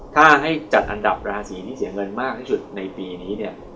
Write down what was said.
ถ้าให้จัดอันดับราศีที่เสียเงินมากที่สุดในปีนี้เนี่ย